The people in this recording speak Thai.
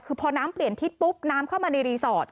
คือพอน้ำเปลี่ยนทิศปุ๊บน้ำเข้ามาในรีสอร์ท